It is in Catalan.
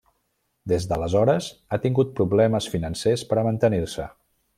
Des d'aleshores, ha tingut problemes financers per a mantenir-se.